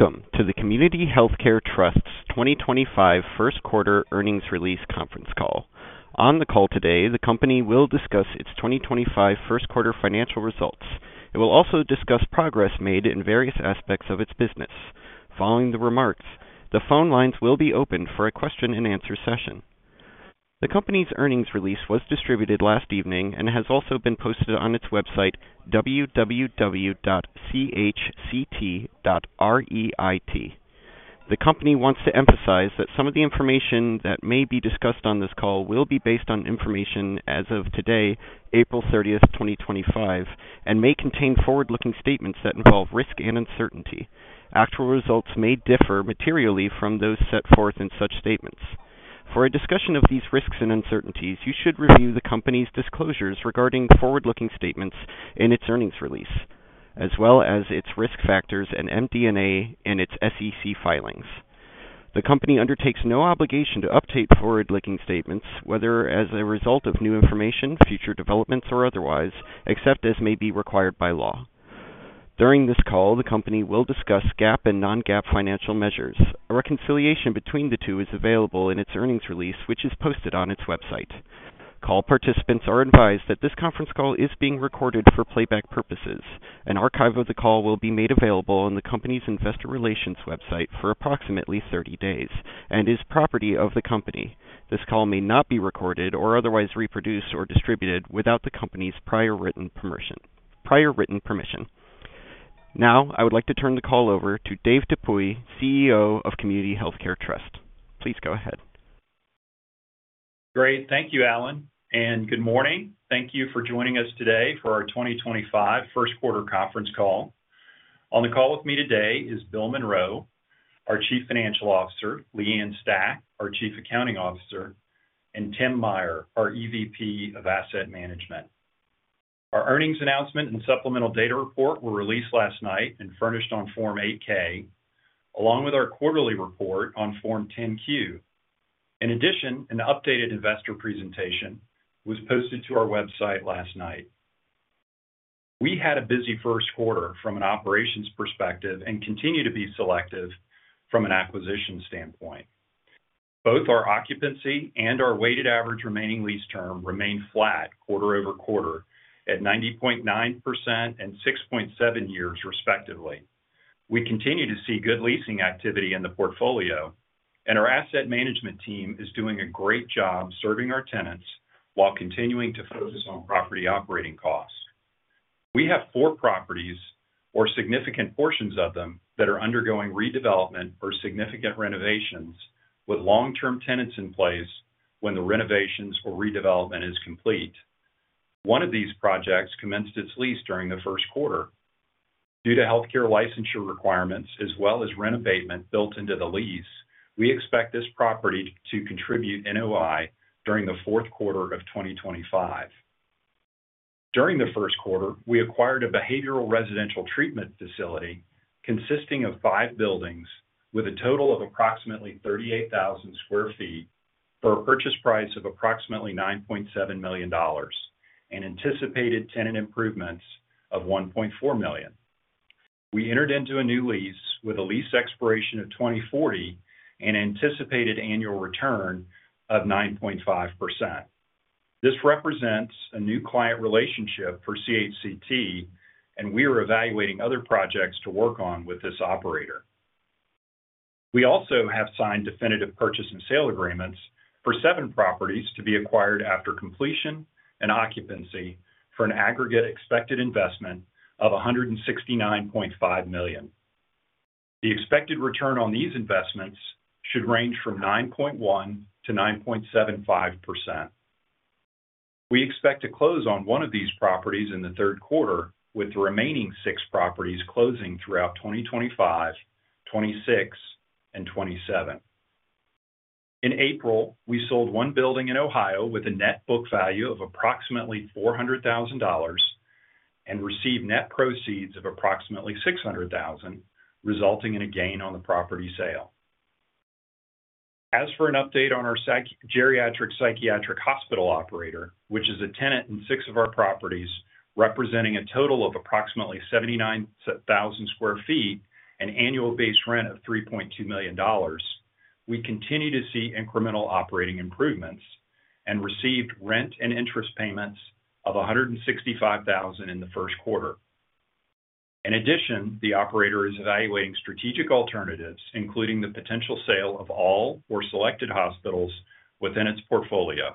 Welcome to the Community Healthcare Trust's 2025 first quarter earnings release conference call. On the call today, the company will discuss its 2025 first quarter financial results. It will also discuss progress made in various aspects of its business. Following the remarks, the phone lines will be opened for a question and answer session. The company's earnings release was distributed last evening and has also been posted on its website www.chct.reit. The company wants to emphasize that some of the information that may be discussed on this call will be based on information as of today, April 30, 2025, and may contain forward looking statements that involve risk and uncertainty. Actual results may differ materially from those set forth in such statements. For a discussion of these risks and uncertainties, you should review the Company's disclosures regarding forward looking statements in its earnings release as well as its risk factors and MD&A in its SEC filings. The Company undertakes no obligation to update forward looking statements whether as a result of new information, future developments or otherwise, except as may be required by law. During this call, the Company will discuss GAAP and non GAAP financial measures. A reconciliation between the two is available in its earnings release which is posted on its website. Call participants are advised that this conference call is being recorded for playback purposes. An archive of the call will be made available on the Company's investor relations website for approximately 30 days and is property of the Company. This call may not be recorded or otherwise reproduced or distributed without the Company's prior written permission. Now I would like to turn the call over to Dave Dupuy, CEO of Community Healthcare Trust. Please go ahead. Great. Thank you, Alan, and good morning. Thank you for joining us today for our 2025 first quarter conference call. On the call with me today is Bill Monroe, our Chief Financial Officer, Leigh Ann Stach, our Chief Accounting Officer, and Tim Meyer, our EVP of Asset Management. Our earnings announcement and supplemental data report were released last night and furnished on Form 8-K along with our quarterly report on Form 10-Q. In addition, an updated investor presentation was posted to our website last night. We had a busy first quarter from an operations perspective and continue to be selective from an acquisition standpoint. Both our occupancy and our weighted average remaining lease term remained flat quarter over quarter at 90.9% and 6.7 years, respectively. We continue to see good leasing activity in the portfolio and our asset management team is doing a great job serving our tenants while continuing to focus on property operating costs. We have four properties or significant portions of them that are undergoing redevelopment or significant renovations with long term tenants in place when the renovations or redevelopment is complete. One of these projects commenced its lease. During the first quarter due to healthcare licensure requirements as well as rent abatement built into the lease, we expect this property to contribute NOI during the fourth quarter of 2025. During the first quarter we acquired a behavioral residential treatment facility consisting of five buildings with a total of approximately 38,000 sq ft for a purchase price of approximately $9.7 million and anticipated tenant improvements of $1.4 million. We entered into a new lease with a lease expiration of 2040 and anticipated annual return of 9.5%. This represents a new client relationship for CHCT and we are evaluating other projects to work on with this operator. We also have signed definitive purchase and sale agreements for seven properties to be acquired after completion and occupancy for an aggregate expected investment of $169.5 million. The expected return on these investments should range from 9.1%-9.75%. We expect to close on one of these properties in the third quarter with the remaining six properties closing throughout 2025, 2026 and 2027. In April, we sold one building in Ohio with a net book value of approximately $400,000 and received net proceeds of approximately $600,000, resulting in a gain on the property sale. As for an update on our geriatric psychiatric hospital operator, which is a tenant in six of our properties representing a total of approximately 79,000 sq ft and annual base rent of $3.2 million, we continue to see incremental operating improvements and received rent and interest payments of $165,000 in the first quarter. In addition, the operator is evaluating strategic alternatives, including the potential sale of all or selected hospitals within its portfolio.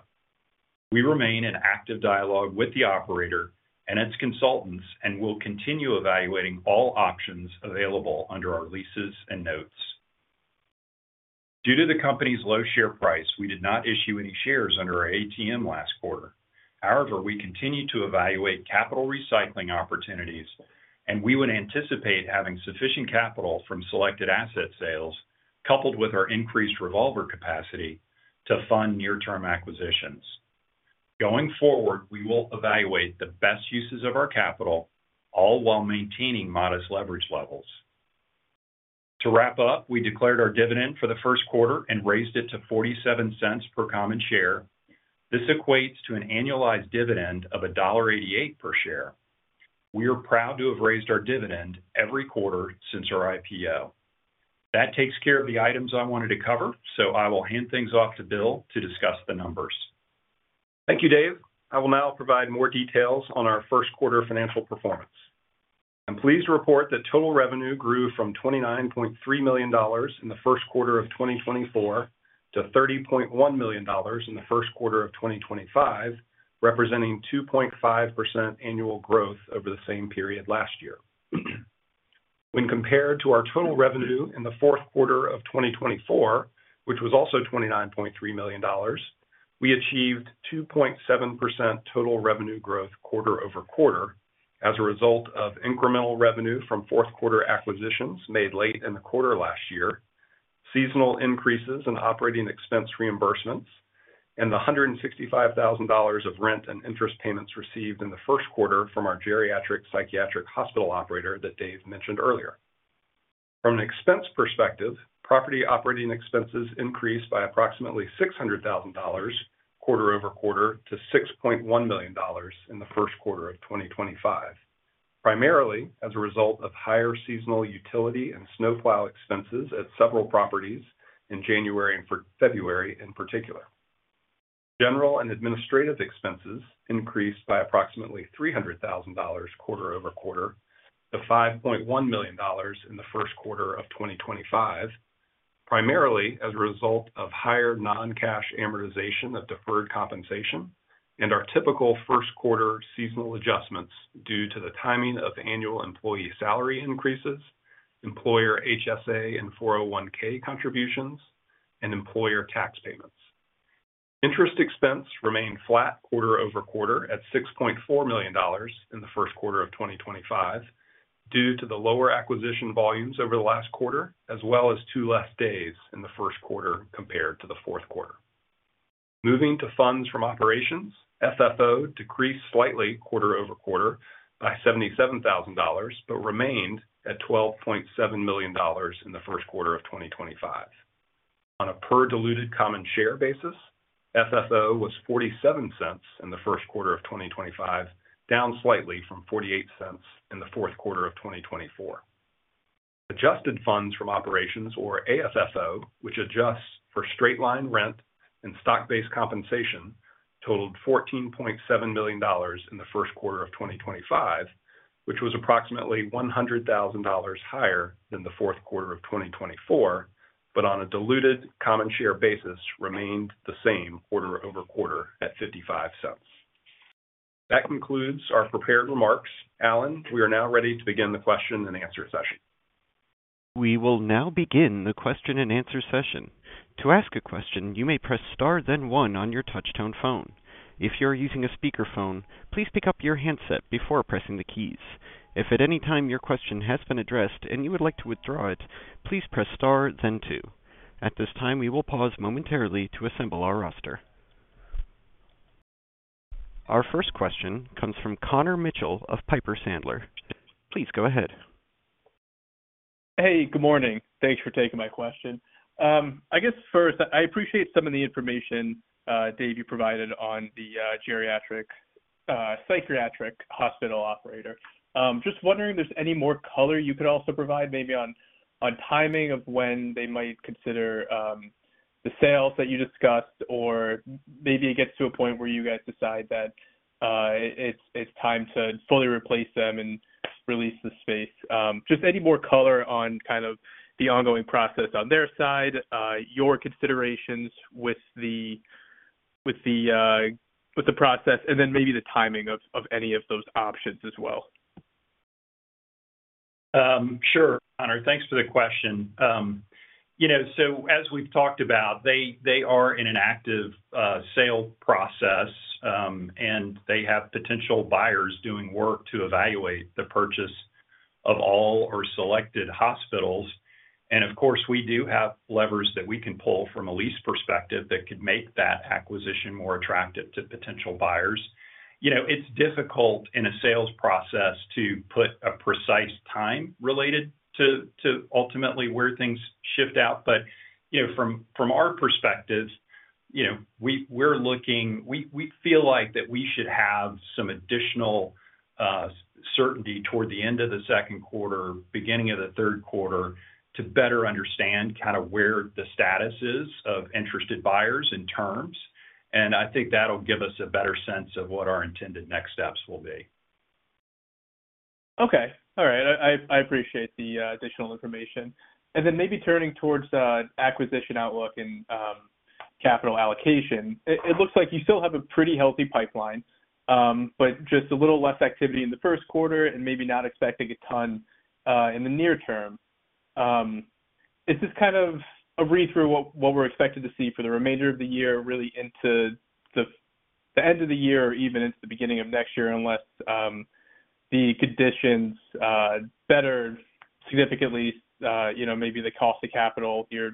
We remain in active dialogue with the operator and its consultants and will continue evaluating all options available under our leases and notes. Due to the Company's low share price, we did not issue any shares under our ATM last quarter. However, we continue to evaluate capital recycling opportunities and we would anticipate having sufficient capital from selected asset sales coupled with our increased revolver capacity to fund near term acquisitions. Going forward, we will evaluate the best uses of our capital, all while maintaining modest leverage levels. To wrap up, we declared our dividend for the first quarter and raised it to $0.47 per common share. This equates to an annualized dividend of $1.88 per share. We are proud to have raised our dividend every quarter since our IPO. That takes care of the items I wanted to cover, so I will hand things off to Bill to discuss the numbers. Thank you, Dave. I will now provide more details on. Our first quarter financial performance and pleased to report that total revenue grew from $29.3 million in the first quarter of 2024 to $30.1 million in the first quarter of 2025, representing 2.5% annual growth over the same period last year. When compared to our total revenue in the fourth quarter of 2024, which was also $29.3 million, we achieved 2.7% total revenue growth quarter over quarter as a result of incremental revenue from fourth quarter acquisitions made late in the quarter last year, seasonal increases in operating expense reimbursements and the $165,000 of rent and interest payments received in the first quarter from our geriatric psychiatric hospital operator that Dave mentioned earlier. From an expense perspective, property operating expenses increased by approximately $600,000 quarter over quarter to $6.1 million in the first quarter of 2025, primarily as a result of higher seasonal utility and snowplow expenses at several properties in January and February. In particular, general and administrative expenses increased by approximately $300,000 quarter over quarter to $5.1 million in the first quarter of 2025, primarily as a result of higher non cash amortization of deferred compensation and our typical first quarter seasonal adjustments due to the timing of annual employee salary increases, employer HSA and 401k contributions and employer tax payments. Interest expense remained flat quarter over quarter at $6.4 million in the first quarter of 2025 due to the lower acquisition volumes over the last quarter as well as 2 less days in the first quarter compared to the fourth quarter. Moving to funds from operations, FFO decreased slightly quarter over quarter by $77,000 but remained at $12.7 million in the first quarter of 2025 on a per diluted common share basis. FFO was $0.47 in the first quarter of 2025, down slightly from $0.48 in the fourth quarter of 2024. Adjusted funds from operations or AFFO, which adjusts for straight line rental and stock based compensation, totaled $14.7 million in the first quarter of 2025, which was approximately $100,000 higher than the fourth quarter of 2024, but on a diluted common share basis remained the same quarter over quarter at $0.55. That concludes our prepared remarks. Alan, we are now ready to begin the question and answer session. We will now begin the question and answer session. To ask a question, you may press Star then one on your touch. If you are using a speakerphone, please pick up your handset before pressing the keys. If at any time your question has been addressed and you would like to withdraw it, please press Star then two. At this time, we will pause momentarily to assemble our roster. Our first question comes from Connor Mitchell of Piper Sandler. Please go ahead. Hey, good morning. Thanks for taking my question. I guess first, I appreciate some of the information, Dave, you provided on the geriatric psychiatric hospital. Just wondering if there's any more color you could also provide maybe on timing of when they might consider the sales that you discussed. Or maybe it gets to a point where you guys decide that it's time to fully replace them and release the space. Just any more color on kind of the ongoing process on their side, your considerations with the process and then maybe the timing of any of those options as well. Sure, Connor. Thanks for the question. You know, as we've talked about, they are in an active sale process and they have potential buyers doing work to evaluate the purchase of all or selected hospitals. Of course, we do have levers that we can pull from a lease perspective that could make that acquisition more attractive to potential buyers. You know, it's difficult in a sales process to put a precise time related to ultimately where things shift out. You know, from our perspective, we're looking, we feel like that we should have some additional certainty toward the end of the second quarter, beginning of the third quarter to better understand kind of where the status is of interested buyers and terms. I think that'll give us a better sense of what our intended next steps will be. Okay. All right, I appreciate the additional information. Then maybe turning towards acquisition outlook and capital allocation, it looks like you still have a pretty healthy pipeline, but just a little less activity in the first quarter and maybe not expecting a ton in the near term. It is just kind of a read through what we are expected to see for the remainder of the year, really into the end of the year or even into the beginning of next year, unless the conditions better significantly, you know, maybe the cost of capital, your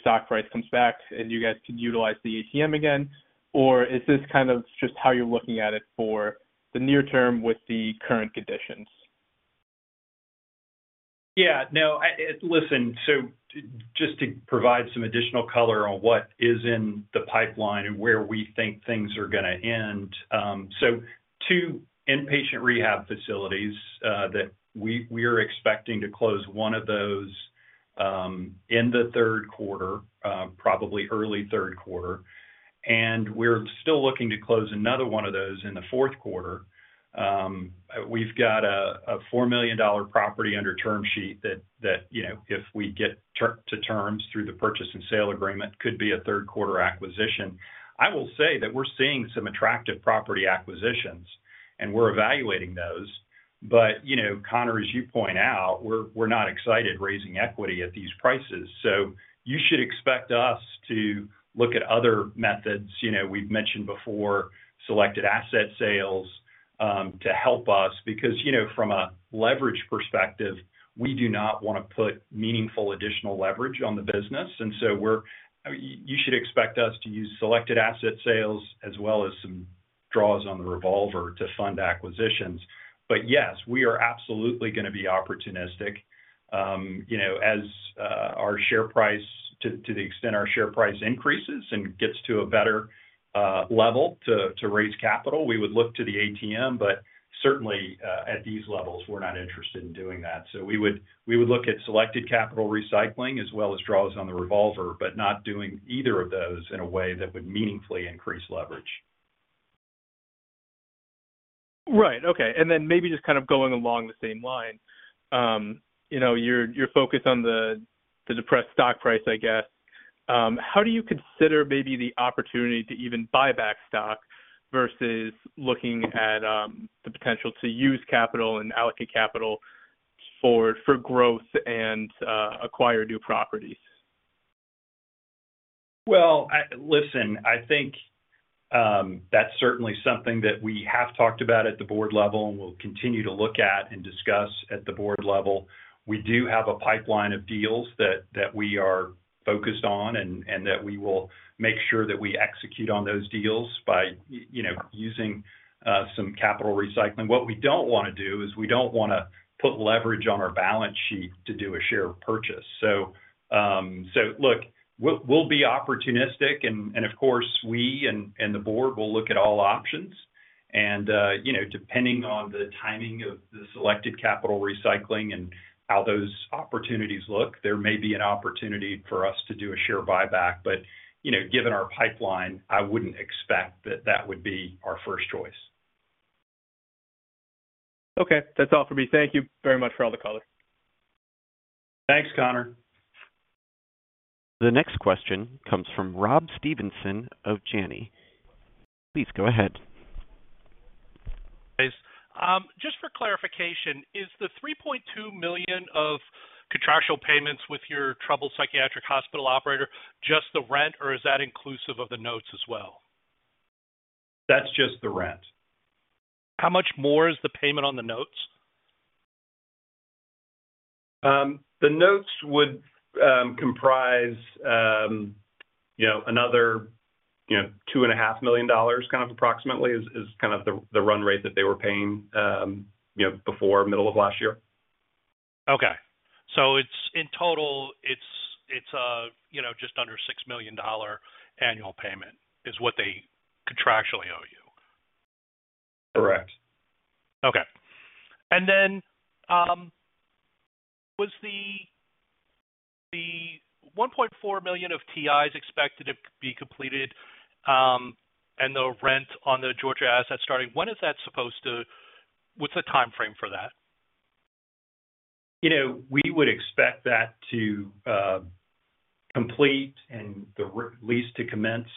stock price comes back and you guys could utilize the ATM again. Is this kind of just how you are looking at it for the near term with the current conditions? Yeah, no, listen, just to provide some additional color on what is in the pipeline and where we think things are going to end. Two inpatient rehab facilities that we are expecting to close, one of those in the third quarter, probably early third quarter, and we're still looking to close another one of those in the fourth quarter. We've got a $4 million property under term sheet that if we get to terms through the purchase and sale agreement, could be a third quarter acquisition. I will say that we're seeing some attractive property acquisitions and we're evaluating those. Connor, as you point out, we're not excited raising equity at these prices, so you should expect us to look at other methods. You know, we've mentioned before selected asset sales to help us because, you know, from a leverage perspective, we do not want to put meaningful additional leverage on the business. You should expect us to use selected asset sales as well as some draws on the revolver to fund acquisitions. Yes, we are absolutely going to be opportunistic. You know, as our share price, to the extent our share price increases and gets to a better level to raise capital, we would look to the ATM, but certainly at these levels, we're not interested in doing that. We would look at selected capital recycling as well as draws on the revolver, but not doing either of those in a way that would meaningfully increase leverage. Right. Okay. Maybe just kind of going along the same line, you know, your focus on the depressed stock price, I guess. How do you consider maybe the opportunity to even buy back stock versus looking at the potential to use capital and allocate capital for growth and acquire new properties? I think that's certainly something that we have talked about at the board level and we'll continue to look at and discuss at the board level. We do have a pipeline of deals that we are focused on and that we will make sure that we execute on those deals by, you know, using some capital recycling. What we don't want to do is we don't want to put leverage on our balance sheet to do a share purchase. Look, we'll be opportunistic and of course we and the board will look at all options and, you know, depending on the timing of the selected capital recycling and how those opportunities look, there may be an opportunity for us to do a share buyback. You know, given our pipeline, I wouldn't expect that that would be our first choice. Okay, that's all for me. Thank you very much for all the caller. Thanks, Connor. The next question comes from Rob Stevenson of Janney. Please go ahead. Just for clarification, is the $3.2 million of contractual payments with your troubled psychiatric hospital operator just the rent or is that inclusive of the notes as well? That's just the rent. How much more is the payment on the notes? The notes would comprise, you know, another. You know, $2.5 million. Kind of approximately is kind of the run rate that they were paying, you know, before middle of last year. Okay, so it's in total, it's, you know, just under $6 million annual payment is what they contractually owe you. Correct. Okay, and then was the $1.4 million of TI's expected to be completed and the rent on the Georgia asset starting when is that supposed to? What's the time frame for that? You know, we would expect that to complete and the lease to commence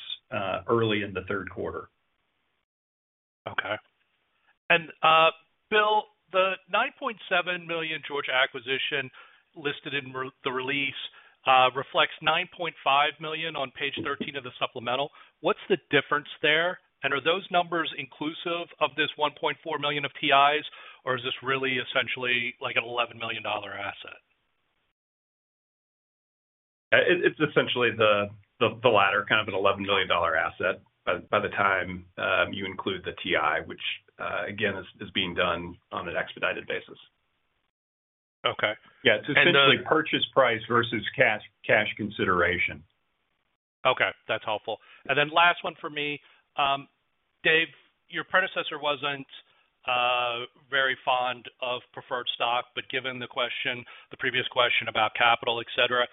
early in the third quarter. Okay. Bill, the $9.7 million Georgia acquisition listed in the release reflects $9.5 million on page 13 of the supplemental. What is the difference there? Are those numbers inclusive of this $1.4 million of TI's, or is this really essentially like an $11 million asset? It's essentially the latter, kind of an $11 million asset by the time you. Include the TI, which again, is being done on an expedited basis. Okay, yeah, it's essentially purchase price versus cash consideration. Okay, that's helpful. Last one for me, Dave. Your predecessor wasn't very fond of preferred stock, but given the question, the previous question about capital, etcetera,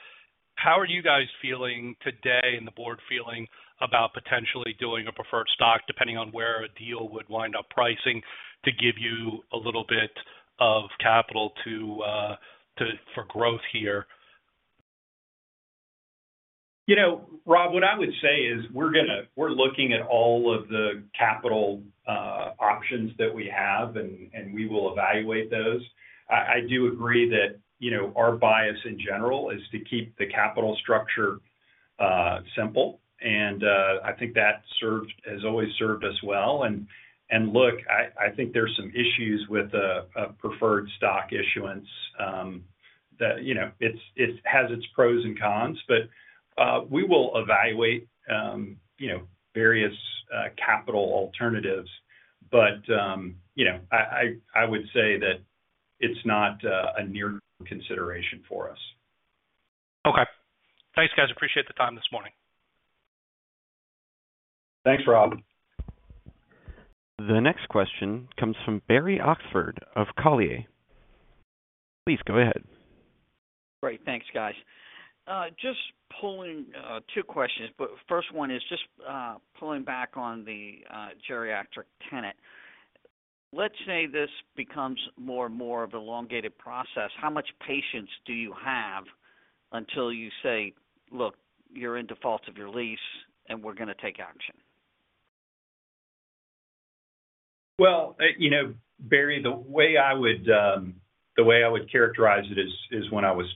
how are you guys feeling today and the board feeling about potentially doing a preferred stock, depending on where a deal would wind up pricing, to give you a little bit of capital for growth here? You know, Rob, what I would say is we're going to. We're looking at all of the capital options that we have, and we will evaluate those. I do agree that, you know, our bias in general is to keep the capital structure simple. I think that has always served us well. Look, I think there's some issues with preferred stock issuance that, you know, it has its pros and cons, but we will evaluate, you know, various capital alternatives. You know, I would say that it's not a near consideration for us. Okay, thanks, guys. Appreciate the time this morning. Thanks, Rob. The next question comes from Barry Oxford of Colliers. Please go ahead. Great. Thanks, guys. Just pulling two questions, but first one is just pulling back on the geriatric tenant. Let's say this becomes more and more of an elongated process. How much patience do you have until you say, look, you're in default of your lease and we're going to take action? You know, Barry, the way I would characterize it is when I was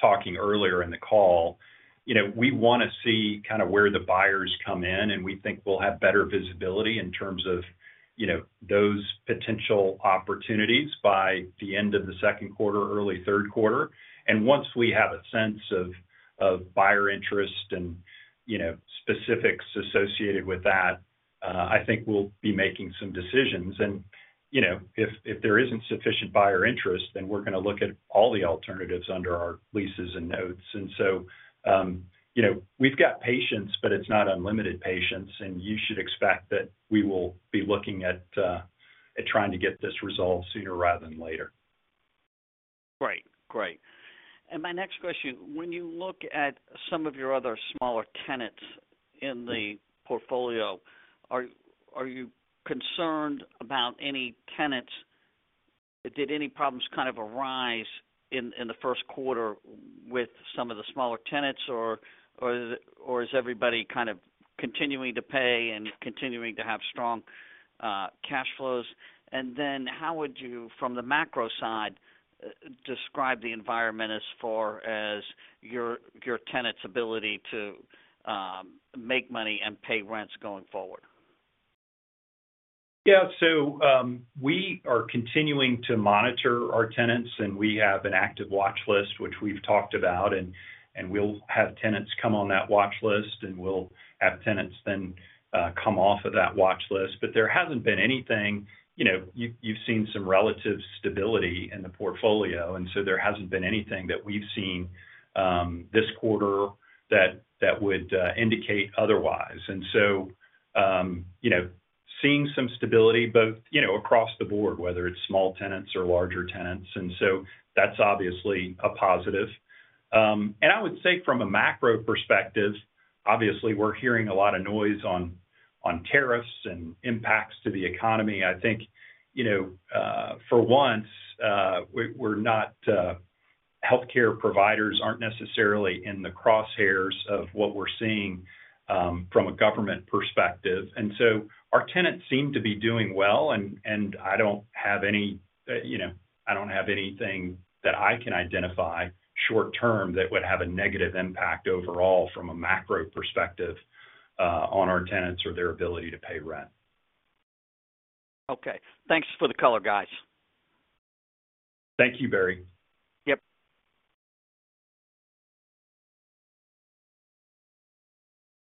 talking earlier in the call, we want to see kind of where the buyers come in, and we think we will have better visibility in terms of those potential opportunities by the end of the second quarter, early third quarter. Once we have a sense of buyer interest and specifics associated with that, I think we will be making some decisions. You know, if there is not sufficient buyer interest, then we are going to look at all the alternatives under our leases and notes. You know, we have got patience, but it is not unlimited patience. You should expect that we will be looking at trying to get this resolved sooner rather than later. Great, great. My next question, when you look at some of your other smaller tenants in the portfolio, are you concerned about any tenants? Did any problems kind of arise in the first quarter with some of the smaller tenants, or is everybody kind of continuing to pay and continuing to have strong cash flows? How would you, from the macro side, describe the environment as far as your tenants' ability to make money and pay rents going forward? Yeah, we are continuing to monitor our tenants, and we have an active watch list which we've talked about, and we'll have tenants come on that watch list, and we'll have tenants then come off of that watch list. There hasn't been anything. You've seen some relative stability in the portfolio, so there hasn't been anything that we've seen this quarter that would indicate otherwise. You know, seeing some stability both, you know, across the board, whether it's small tenants or larger tenants. That's obviously a positive. I would say from a macro perspective, obviously we're hearing a lot of noise on tariffs and impacts to the economy. I think, you know, for once we're not. Healthcare providers aren't necessarily in the crosshairs of what we're seeing from a government perspective. Our tenants seem to be doing well. I don't have any, you know, I don't have anything that I can identify short term that would have a negative impact overall from a macro perspective on our tenants or their ability to pay rent. Okay, thanks for the color, guys. Thank you, Barry.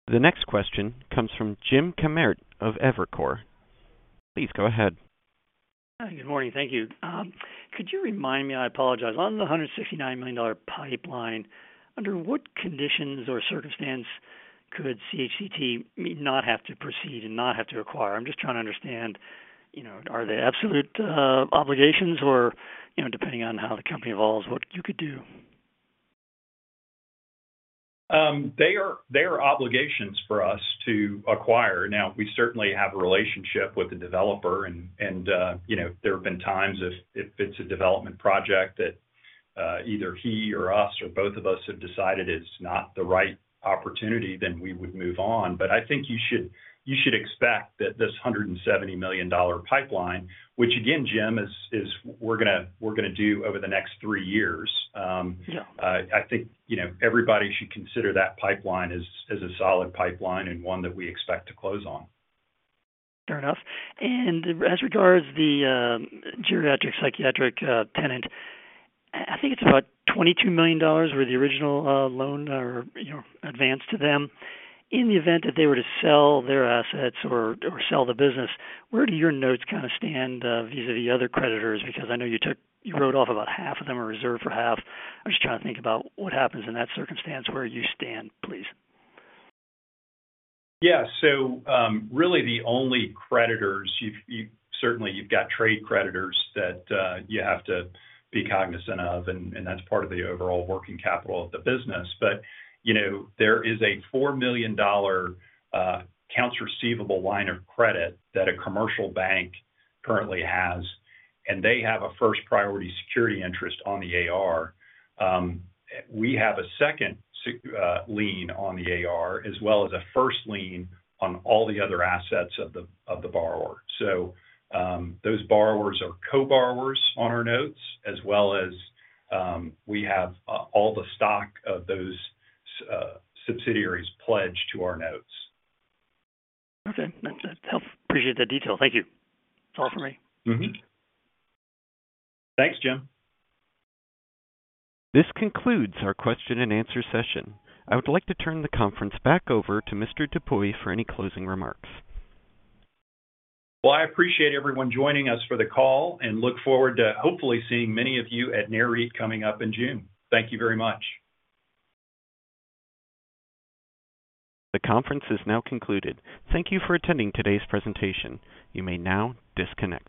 Yep. The next question comes from Jim Kammert of Evercore. Please, go ahead. Good morning. Thank you. Could you remind me, I apologize. On the $169 million pipeline, under what conditions or circumstance could CHCT not have to proceed and not have to acquire? I'm just trying to understand, you know, are they absolute obligations or, you know, depending on how the company evolves, what you could do. They are obligations for us to acquire. Now, we certainly have a relationship with the developer. And you know, there have been times if it's a development project that either he or us or both of us have decided is not the right opportunity, then we would move on. I think you should expect that this $170 million pipeline, which again, Jim, we're going to do over the next three years, I think everybody should consider that pipeline as a solid pipeline and one that we expect to close on. Fair enough. As regards the geriatric psychiatric tenant, I think it's about $22 million where the original loan advanced to them. In the event that they were to sell their assets or sell the business, where do your notes kind of stand vis-à-vis the other creditors? Because I know you took, you wrote off about half of them or reserved for half. I was trying to think about what happens in that circumstance. Where you stand, please. Yeah. So really the only creditors, certainly you've got trade creditors that you have to be cognizant of and that's part of the overall working capital of the business. But you know, there is a $4 million accounts receivable line of credit that a commercial bank currently has and they have a first priority security interest on the AR. We have a second lien on the AR as well as a first lien on all the other assets of the. Of the borrower. Those borrowers are co-borrowers on our notes as well as we have all the stock of those subsidiaries pledged to our notes. Okay. Appreciate the detail. Thank you. That's all for me. Thanks, Jim. This concludes our question and answer session. I would like to turn the conference back over to Mr. Dupuy for any closing remarks. I appreciate everyone joining us for the call and look forward to hopefully seeing many of you at NAREIT coming up in June. Thank you very much. The conference is now concluded. Thank you for attending today's presentation. You may now disconnect.